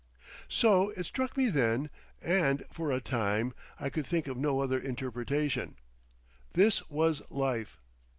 So it struck me then, and for a time I could think of no other interpretation. This was Life!